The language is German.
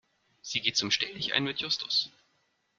Sie geht zum Stelldichein mit Justus.